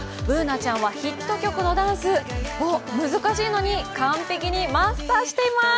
Ｂｏｏｎａちゃんはヒット曲のダンス難しいのに完璧にマスターしています。